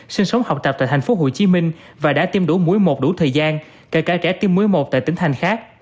sinh sống học tập tại tp hcm và đã tiêm đủ mũi một đủ thời gian kể cả trẻ tiêm muối một tại tỉnh thành khác